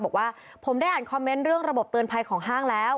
บอกว่าผมได้อ่านคอมเมนต์เรื่องระบบเตือนภัยของห้างแล้ว